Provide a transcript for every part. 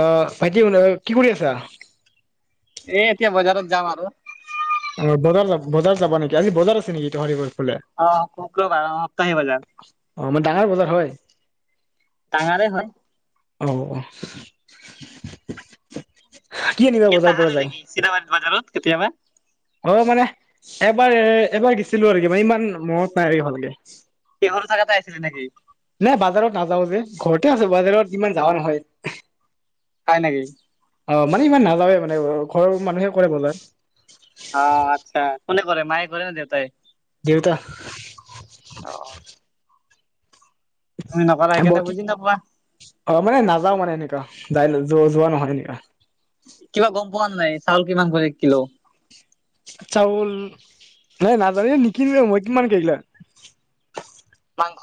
আহ ভাইতি কি কৰি আছা? এ এতিয়া বজাৰত যাম আৰু। অঁ বজাৰ লগ বজাৰ যাব নেকি আজি বজাৰ আছে নেকি তোমালোকৰ ফালে অঁ শুক্ৰবাৰ অঁ সপ্তাহী বজাৰ। অঁ মানে ডাঙৰ বজাৰ হয়ঁ। ডাঙৰে হয়ঁ। অঁ অঁ কি আনিবা বজাৰৰ পৰা যাই। চিধা বাত বজাৰত কেতিয়াবা। অঁ মানে এবাৰ এ এবাৰ গেছিলো আৰু কি মানে ইমান মনত নাই ভালকে। এখন জেগাত আছিলি নেকি? নাই বাজাৰত নাযাওঁ যে ঘৰতে আছো বাজাৰত ইমান যাৱা নহয়। হয়ঁ নেকি? অঁ মানে ইমান নাযাৱে মানে ঘৰৰ মানুহে কৰে বজাৰ। অঁ আচ্ছা কোনে কৰে মায়ে কৰে নে দেউতাই? দেউতা। অঁ! তুমি নকৰা সেইকাৰণে বুজি নাপোৱা। অঁ মানে নাযাও মানে এনেকা যাই যা যোৱা নহয় এনেকা। কিবা গম পোৱা নাই চাউল কিমান কৰে এককিলো। চাউল নাই নাজানোয়ে নিকিনো মই কিমান কি লয়। মাংস।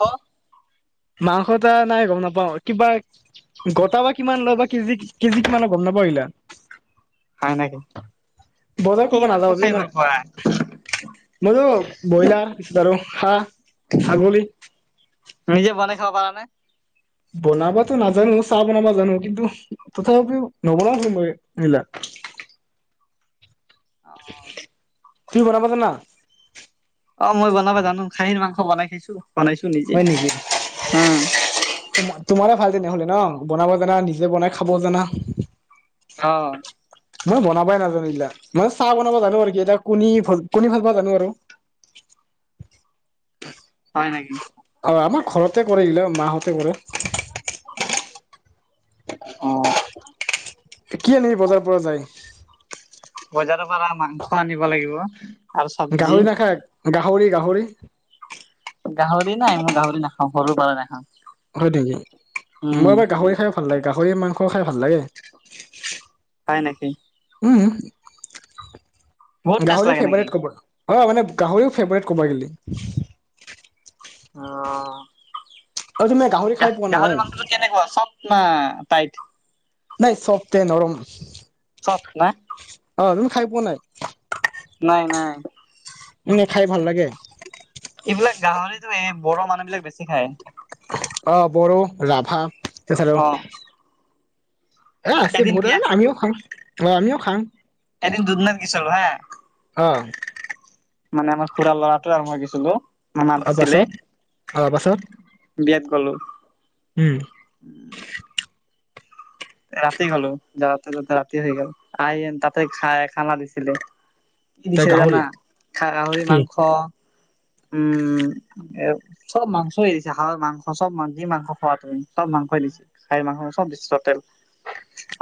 মাংস এটা নাই গম নাপাওঁ কিবা গটা বা কিমান লয় বা কেজি। কেইজি কিমান লয় গম নাপাওঁ আইলা হয়ঁ নেকি বজাৰ কি কৰিব মাংস নাযাওঁ যে খাই মানে ভাল পোৱা? মইতো ব্ৰইলাৰ পিছত আৰু হাঁহ ছাগলী। নিজে বনাই খাব পাৰা নে? বনাবাতো নাজানো চাহ বনাবা জানো কিন্তু তথাপিও নবনাও মই সেইবিলাক। অঁ। তুমি বনাব জানা? অঁ মই বনাব জানো খাহীৰ মাংস বনাই দিছোঁ। হয়ঁ নেকি? তোমাৰে ভাল তেনেহলে ন বনাব জানা নিজে বনাই খাব জানা। অঁ! মই বনাবাই নাজানো এইবিলাক মই চাহ বনাব জানো আৰু এটা কণী কণী ভালা জানো আৰু। হয়ঁ নেকি? অঁ আমাৰ ঘৰতে কৰে ইলা মাহঁতে কৰে। অঁ! কি আনিলি বজাৰৰ পৰা যায়। বজাৰৰ পৰা মাংস আনিব লাগিব। আৰু চব্জি গাহৰি নাখায় গাহৰি গাহৰি। গাহৰি নাই মই গাহৰি নাখাওঁ সৰুৰ পৰাই নাখাওঁ। হয়ঁ নেকি মই উম এবাৰ গাহৰি খাই ভাল লাগে গাহৰি মাংস খাই ভাল লাগে। হয়ঁ নেকি? উম বহুত টেষ্ট গাহৰি লাগে নেকি ফেভাৰেট কবা। অ মানে গাহৰিও ফেভৰেট ক'ব গেলি। অ অ তুমি গাহৰি খাই পোৱা নাই গা-গাহৰি মংছ কেনেকুৱা চফ্ট না টাইত? নাই চবটে নৰম, চফ্ট না অ তুমি খাই পোৱা নাই? নাই নাই। এনে খাই ভাল লাগে। এইবিলাক গাহৰিতো এই বড়ৰ মানুহ বিলাক বেছি খায়। অহ বড়ো, ৰাভা, অ [unintelligible] অহ আছে এদিন বিয়া বহুধৰণৰ আমিও খাং। অ আমিও খাং। এদিন দুধনৈ গৈছিলো হা। অ। মানে আমাৰ খুৰাৰ ল'ৰাটো আৰু মই গৈছিলো মানে মাটিছিলে পাছত অ পাছত বিয়াত গ'লো উম ৰাতি গ'লো যাৱাতে যাৱাতে ৰাতি হৈ গ'ল, আই তাতে খাই খানা দিছিলি কি তাই দিছে গাহৰি জানা? খাৰ গাহৰি কি মাংস উম চব মাংস দিছে। হাঁহৰ মাংস চব মা যি মাংস খোৱা তুমি চব মাংস দিছে। খাহি মাংস চব বছি টটেল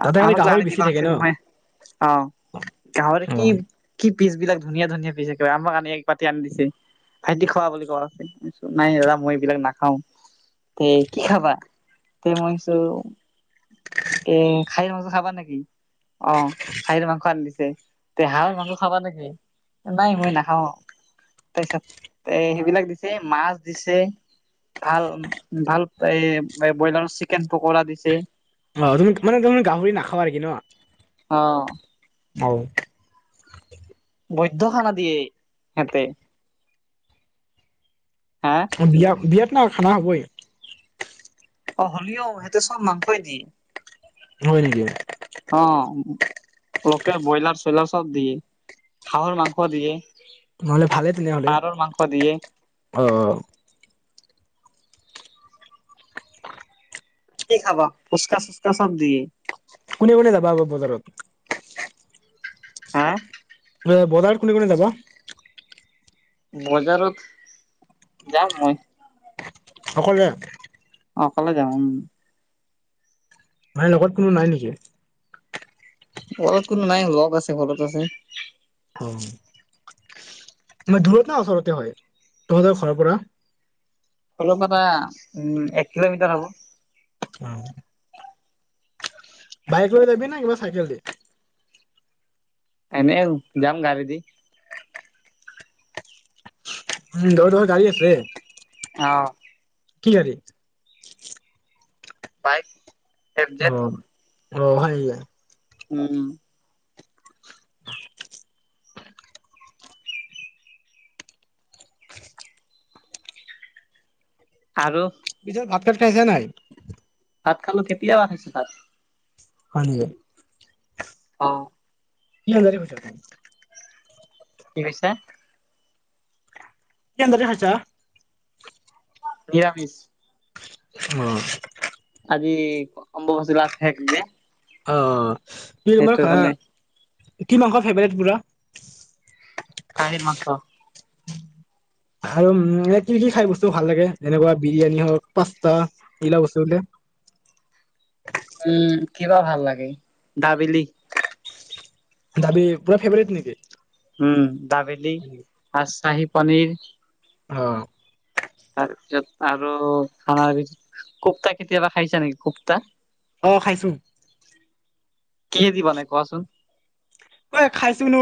তাতে খালি আমাক আ গাহৰি বেছি দিবা থাকে লাগছি ন নহয় অ গাহৰি অ কি কি পিছ বিলাক ধুনীয়া ধুনীয়া পিচ এক আমাক আনি এক বাতি আনি দিছে। ভাইটি খোৱা বুলি কোৱা লগছে। নাই দাদা মই এইবিলাক নাখাওঁ তে কি খাবা? তে মই কৈছো এ খাহিৰ মাংস খাবা নেকি? অ খাহি মাংস আনি দিছে, তে হাঁহৰ মাংস খাবা নেকি? নাই মই নাখাওঁ তাৰপিছত এ সেইবিলাক দিছে, মাছ দিছে ভাল ভাল এ ব্ৰইলাৰ চিকেন পকৰা দিছে। অ তুমি মানে তুমি গাহৰি নাখাৱা আৰু নেকি ন? অ। অ বৈদ্য খানা দিয়ে সিহঁতে। হা? অ বিয়া বিয়াত না খানা হ'বই। অ হ'লিও সিহঁতে চব মাংসই দিয়ে। হয় নেকি? অ লোকেল, ব্ৰইলাৰ, চল চব দিয়ে, হাঁহৰ মাংস দিয়ে, নহ'লে ভালে তেনেহ'লে পাৰৰ মাংস দিয়ে আহ। কি খাবা ফচকা-চুচকা চব দিয়ে। কোনে কোনে যাবা আকৌ বজাৰত? হা? বজাৰ কোনে কোনে যাবা? বজাৰত যাম মই। অকলে? অ অকলে যাম উম। মানে লগত কোনো নাই নেকি। লগত কোনো নাই লগ আছে ঘৰত আছে। অ মে দূৰত না ওচৰতে হয় তহঁতৰ ঘৰৰ পৰা। অলপ এটা উম এক কিলোমিটাৰ হ'ব। অ। বাইক লৈ যাবি না কিবা চাইকেল দি। এনে যাম গাড়ী দি উ তহতৰ গাড়ী আছে। অ। কি গাড়ী। বাইক। এফ অ জেড। অ হয় নেকি। উম। আৰু। পিছত ভাত চাত খাইছা নাই। ভাত খালো কেতিয়া খাইছে ভাত। হয় নিকি। অ। কি [unintelligible] কি কৈছা। কি শাকেৰে খাইছা। নিৰামিষ। অ। আজি অম্বুবাচী লাষ্ট শেষ যে। অ কি সেইটো কাৰণে। কি মাংসৰ ফেভাৰট পুৰা। খাহীৰ মাংস। আৰু উম এ কি কি খাই বস্তু ভাল লাগে এনেকুৱা বিৰিয়ানী হওক পাস্তা এইগিলা বস্তু বোলে। উম কিবা ভাল লাগে দাবিলি। দাবি পুৰা ফেভাৰট নেকি। উম ডাবেলি আৰু চাহী পনীৰ। অ। তাৰপিছত আৰু খানাৰ ভিতৰত কুপ্তা কেতিয়াবা খাইছা নেকি কুপ্তা। অ খাইছো। কেহেদি বনাই কোৱাচোন। এ খাইছো ন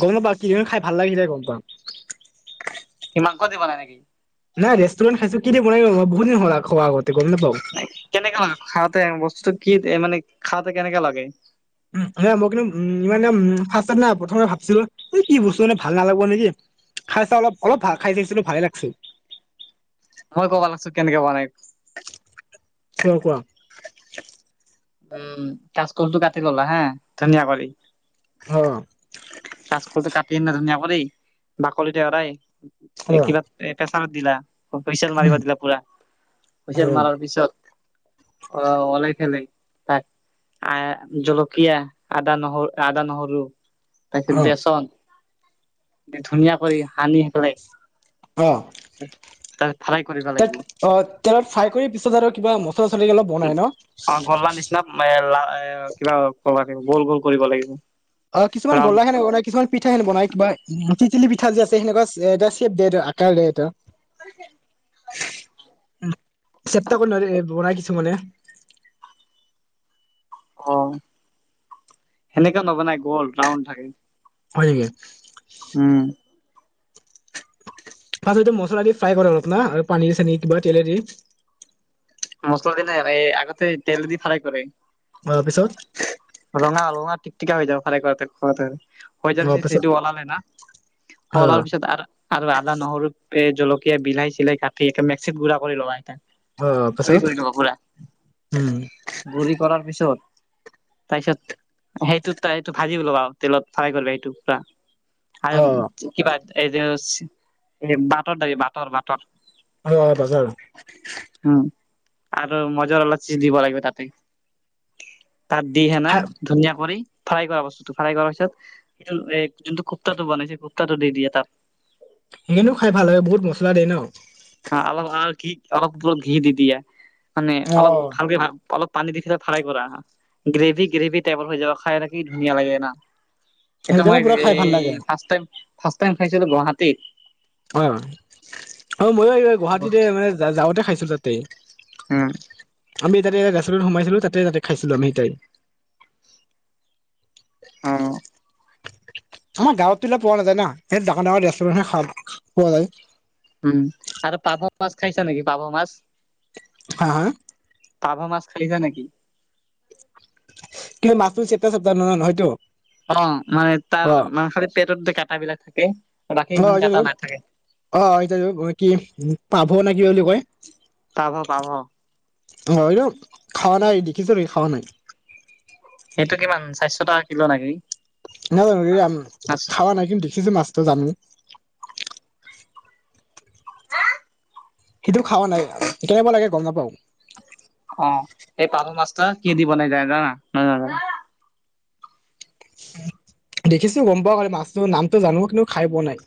গম নাপাওঁ কি খাই ভাল লাগিছিলে গম পাওঁ। কি মাংস দিব নাই নেকি। নাই ৰেষ্টুৰেণ্ট খাইছো কি দি বনায় বহু দিন হল খোৱা আগতে গম নাপওঁ। কেনেকে লাগে খাওঁতে বস্তুটো কি মানে খাওঁতে কেনেকে লাগে। উ মই কিন্তু উ ই ফ না প্ৰথমে ভাবিছিলো কি বস্তু মানে ভাল নালাগব নেকি। খাইছা অলপ অলপাল খাই চাইছিলোঁ ভালে লাগচি। মই ক'ব লাগছো কেনেকে বনাই। উম কোৱা। উম কচকলছটো কাটি ললা হা ধুনীয়া কৰি। অ। কাচকল কাটি এনে ধুনীয়া কৰি বাকলিটো এৰাই অ কিবা। এ প্ৰেচাৰত দিলা, হুইচেল মাৰিব দিলা পুৰা, অ হুইচেল মাৰাৰ পিছত। অ' ওলাই ফেলে তাক। আ জলকীয়া আদা নহৰু আদা নহৰু তাৰপিছত অ বেচন দি ধুনীয়া কৰি সানি পেলাই। অ' তাত ফ্ৰাই কৰিব তাত লাগিব। অ' তেলত ফ্ৰাই কৰি পিছত আৰু কিবা মচ। [unintelligible] উম গল্লাৰ নিচিনা লা এ কিবা ক'বা লাগিব গোল গোল কৰিব লাগিব। অ' কিছুমান ৰাউণ্ড গোল্লা সেনেকে বনায় কিছুমান। পিঠা সেনে বনাই কিবা টিটিলি পিঠা যে আছে সেনেকুৱা এটা চেপ দে আকাৰ দে এটা। [inaudible] উম চেপ্টা কৰি নোৱাৰে বনাই দিছোঁ মানে। অ' সেনেকা নবনাই গ'ল ৰাউণ্ড থাকে। হয় নেকি। উম। ফাৰ্ষ্টতে মছলা দি ফ্ৰাই কৰে অলপ না আৰু পানীৰ চানিৰ কিবা তেলেদি। মছলা দি এই আগতে তেল দি ফ্ৰাই কৰে। অ' পিছত। ৰঙা ৰঙা টিকটিকা হৈ যাব ফ্ৰাই কৰাতে কৰাতে। হৈ যোৱা পিছত সেইটো ওলালে না অ ওলোৱা পিছত আৰু। আৰু আদা নহৰু জলকীয়া বিলাহী চিলাহী কাটি মিক্সিত গুড়া কৰি লবা এতিয়া। অ গুৰি পাছত কৰি লবা পুৰা, উম গুৰি কৰাৰ পিছত। তাৰপিছত সেইটো তাই সেইটো ভাজি লবা তেলত ফ্ৰাই কৰিবা সেইটো পুৰা। অ আৰু কিবা এইযে এই বাটৰ দিবি বাটৰ বাটৰ। অ'-অ' বাটাৰ। উম। আৰু মজৰ অলপ দিব লাগিব তাতে তাত দি হেনা খাই ধুনীয়া কৰি। ফ্ৰাই কৰা বস্তুটো ফ্ৰাই কৰাৰ পিছত এইটো যোনটো কুপ্তাটো বনাইছে কুপ্তাটো দি দিয়ে তাত। হিনো খাই ভাল লাগে বহুত মছলা দিয়ে ন অ' অলপ আৰু ঘি অলপ অলপ ঘি দি দিয়া মানে অ অলপ ভালকে ভা অলপ পানী নিচিনা ফ্ৰাই কৰা। গ্ৰেভি গ্ৰেভি টাইপৰ হৈ যাব খাই কি ধুনীয়া লাগে না। সেইটো সেইকাৰণে মই পুৰা খাই ভাল এই লাগে ফাষ্ট টাইম ফাষ্ট টাইম খাইছিলো গুৱাহাটীত। হয় হয় অ' মইও এই গুৱাহাটীতে মানে যা যাওঁতে খাইছো তাতে। উম। আমি তাতে ৰেষ্টুৰেন্টত সোমাইছিলো তাতে তাতে খাইছিলো আমি অ'। আমাৰ গাঁৱত টো এইলা পোৱা নাযায় না, এ ডাঙৰ ডাঙৰ ৰেষ্টুৰেণ্টত খা পোৱা যায়। উম আৰু পাভ মাছ খাইছা নেকি পাভ মাছ। হা হা। পাভ মাছ খাইছা নেকি? কিন্তু মাছটো চেপ্তা চেপ্তা ন নহয়তো। অ' মানে তাৰ খালি পেটত যে কাটা বিলাক থাকে। বাকী অ' ইমান এইটো কাটা টো নাথাকে অ' এইটো টো কি পাভ না কিবা বুলি কয়। পাভ পাভ। হয় দিয়ক খাৱা নাই দেখিছো কিন্তু খাৱা নাই। সেইটো কিমান চাৰিশ টকা কিলো নেকি। নাজানো এই মাছ খাৱা নাই কিন্তু দেখিছো মাছটো জানো। সেইটো খাৱা নাই কেনেকুৱা লাগে গম নাপাওঁ। অ' এই পাভ মাছটা কিহেদি বনাই জানা নাজানা। দেখিছো গম পাওঁ খালি মাছটোৰ নামটো জানো কিন্তু খাই পোৱা নাই।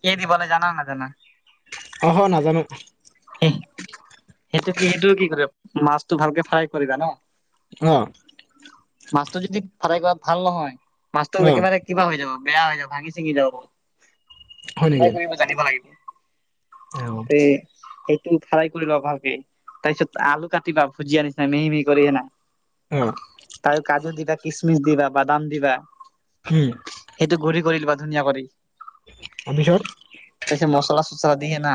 কিহেদি বনাই জানা নে নাজানা। অহ নাজানো। সেইটো কি সেইটো কি কৰে মাছটো ভালকে ফ্ৰাই কৰে জান। অহ মাছটো যদি ফ্ৰাই কৰা ভাল নহয় মাছটো অ একেবাৰে কিবা হৈ যাব বেয়া হৈ যাব ভাঙি চিঙি যাব, হয় ফ্ৰাই কৰিব জানিব লাগিব। অহ সে সেইটো ফ্ৰাই কৰি লোৱা ভালকে। তাৰপিছত আলু কাটিবা, ভুজিয়া নিচিনা মিহি মিহি কৰি কিনে। উম আৰু কাজু দিবা কিচমিচ দিবা, বাদাম দিবা। উম সেইটো ঘূৰি কৰি লবা ধুনীয়া কৰি। তাৰ পিছত তাৰ পিছত মছলা চছলা দি হেনা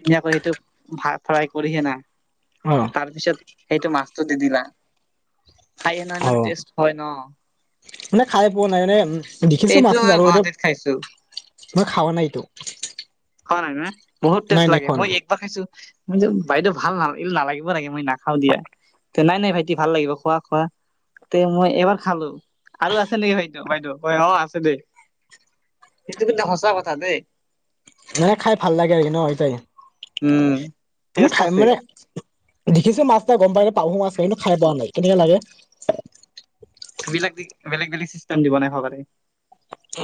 ধুনীয়া কৰি সেইটো ফা ফ্ৰাই কৰি হেনা। অহ তাৰপিছত সেইটো মাছটো দি দিলা খাই হেনা অ ইমান টেষ্ট হয় ন। মানে খাই পোৱা নাই মানে দেখিছো এইটো মাছটো মই আৰু এতিয়া গুৱাহাটীত খাইছো মই খাৱা নাই এইটো। খাৱা নাই না, বহুত টেষ্ট নাই নাই লাগে খোৱা মই নাই খাইছো মই কৈছোঁ বাইদেউ ভাল নালাগিল নালাগে মই নাখাও দিয়া। নাই নাই ভাইটি ভাল লাগিব খোৱা খোৱা। তে মই এবাৰ খালোঁ আৰু আছে নেকি বাইদেউ বাইদেউ হয় অ আছে দেই সেইটো কিন্তু সঁচা কথা দেই। নাই খাই ভাল লাগে আৰু কি ন সেটাই উম [unintelligible] মই টেষ্ট খাই আছে মানে দেখিছো মাছটা গম পাওঁ পাহু মাছ হয় কিন্তু খাই পোৱা নাই কেনেকা লাগে। এইবিলাক দি বেলেগ বেলেগ চিষ্টেম দি বনাই খাব পাৰে।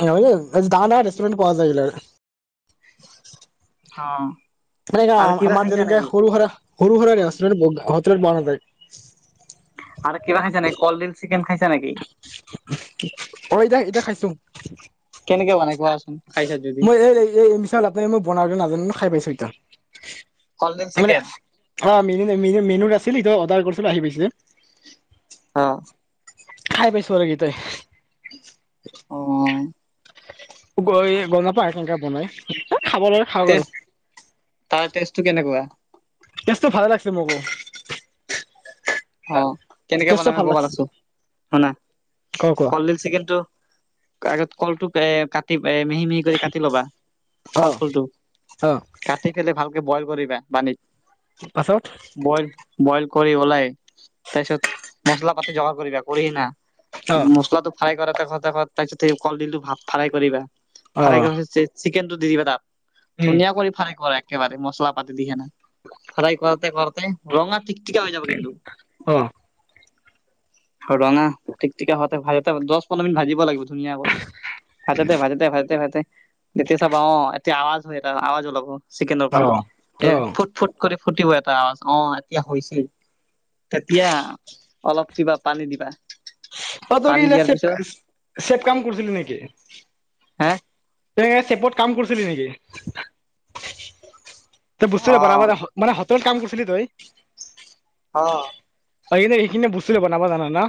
ডাঙৰ ডাঙৰ ৰেষ্টৰেণ্ট পোৱা যায় এইবিলাক। অহ আমাৰ যেনেকে সৰু হুৰা ৰেষ্টুৰেন্ট হোটেলত পোৱা নাযায় আৰু কিবা খাইছা নি, কলডিল চিকেন খাইছা নেকি? অ ইটা ইটা খাইছোঁ। কেনেকে বনাই কোৱাচোন খাইছা যদি মই এই এই মই বনাব নাজানো খাই পাইছো এতিয়া কলডিল মানে চিকেন অ মেনু ম মেনুত আছিল এইটো অৰ্ডাৰ কৰিছিলো আহি পাইছে। অহ। খাই পাইছো আৰু এইকেইটা। অহ গৈ গম নাপাং [unintelligible] কেনকা বনাই খাবলৈ টেষ্ট, তাৰ টেষ্টটো কেনেকুৱা? টেষ্টটো ভালে লাগিছে মোকো। অ', কেনেকে টেষ্টটো বনাবি মই ভাল ক'বা লাগিছে লাগছো শুনা কোৱা কোৱা কলিডিল চিকেনটো আগত কলটো এ কাটি এ মিহি মিহি কৰি কাটি লবা কল অ ফুলটো অ', কাটি পেলে ভালকে বইল কৰিবা পানীত। পাছত বইল বইল কৰি ওলাই তাৰপিছত মছলা পাতি জোগাৰ কৰি ৰাখ কৰি হেনা অ', মছলাটো ফ্ৰাই কৰাতে কৰাতে তাৰপিছত সেই কলডিলটো ফা ফ্ৰাই কৰিবা ফ্ৰাই অ', কৰাৰ পিছত চিকেন টো দি দিবা তাত, উম, ধুনীয়া কৰি ফ্ৰাই কৰে। একেবাৰে মছলা পাতি দিয়ে কিনে ফ্ৰাই কৰোতে কৰোতে ৰঙা টিক অ'। ৰঙা টিক টিকা হওঁতে ভাজতে দহ পোন্ধৰ মিনিট ভাজিব লাগিব। ধুনীয়া কৰি, ভাজাতে ভাজাতে ভাজাতে ভাজতে তেতিয়া চাবা অ', এতিয়া আৱাজ হয় এটা আৱাজ উলাব চিকেনৰ পৰা অ', অ', এই অ', ফুট, ফুট ফুটিব এটা আৱাজ অ', এতিয়া হৈছে তেতিয়া অলপ কিবা পানী দিবা। অ', তই কি পানী ইলা দিয়াৰ চেব পিছত চেব কাম কৰিছিলি নেকি? হে তই এ চেপত কাম কৰিছিলি নেকি। অ [unintelligible] মানে হোটেলত কাম কৰিছিলি তই। অ'। [unintelligible] এইখিনি বস্তুটো বনাব জানা না।